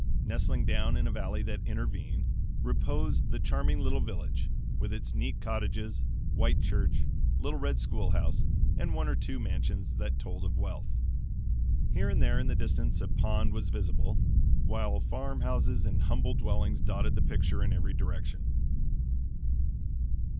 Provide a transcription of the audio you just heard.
Nestling down in a valley that intervened, reposed the charming little village with its neat cottages, white church, little red school house and one or two mansions that told of wealth. Here and there in the distance a pond was visible; while farm houses and humbler dwellings dotted the picture in every direction.